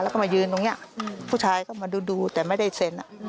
แล้วก็มายืนตรงนี้ผู้ชายก็มาดูแต่ไม่ได้เซ็น